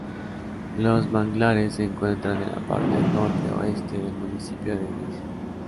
Los manglares se encuentran en la parte norte-oeste del municipio de Vice.